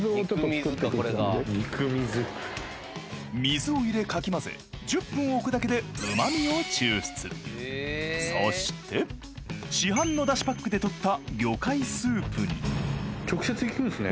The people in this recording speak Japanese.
水を入れかき混ぜ１０分置くだけでうま味を抽出そして市販の出汁パックで取った魚介スープに直接行くんですね。